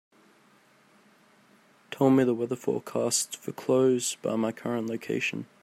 Tell me the weather forecast for close by my current location